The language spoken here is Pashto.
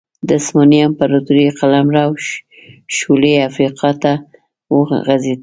د عثماني امپراتورۍ قلمرو شولې افریقا ته وغځېد.